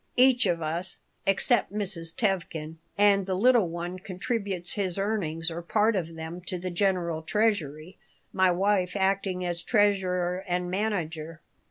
Each of us, except Mrs. Tevkin and the little one contributes his earnings or part of them to the general treasury, my wife acting as treasurer and manager.